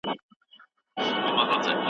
فزيک تر کيميا مخکي خپله لاره بېله کړه.